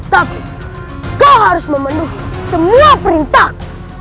tapi kau harus memenuhi semua perintah